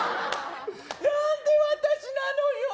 なんで私なのよ。